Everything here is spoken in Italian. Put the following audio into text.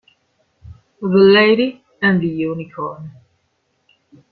The Lady and the Unicorn